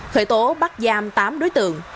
khởi tố bắt giam tám đối tượng